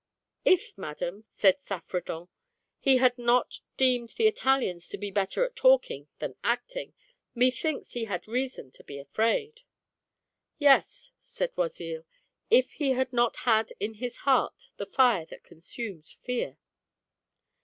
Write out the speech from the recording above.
" If, madam," said Saffredent, " he had not deemed the Italians to be better at talking than acting, me thinks he had reason to be afraid." "Yes," said Oisille, "if he had not had in his heart the fire that consumes fear."